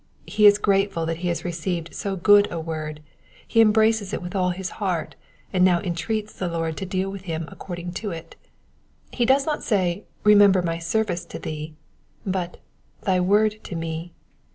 He is grateful that he has received so good a word, he embraces it with all his heart, and now entreats the Lord to deal with him according to it. He does not say, remember my service to thee," but thy word to me."